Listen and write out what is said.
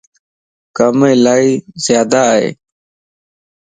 ڪم الائي زياده ائي.